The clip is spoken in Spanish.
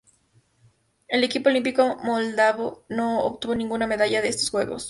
El equipo olímpico moldavo no obtuvo ninguna medalla en estos Juegos.